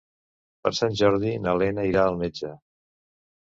Per Sant Jordi na Lena irà al metge.